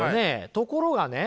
ところがね